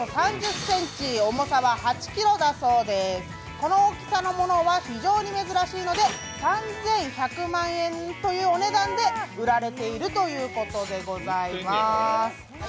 この大きさのものは非常に珍しいので３１００万円というお値段で売られているということでございます。